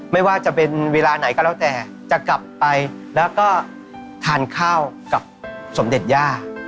ไม่ว่าจะเป็นเวลาไหนก็แล้วแต่จะกลับไปแล้วก็ทานข้าวกับสมเด็จย่า